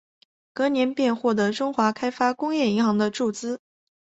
隔年便获得中华开发工业银行的注资。